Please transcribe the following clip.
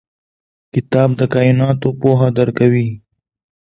کتاب د کایناتو پوهه درکوي.